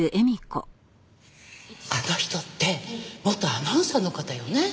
あの人って元アナウンサーの方よね？